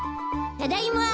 ただいま。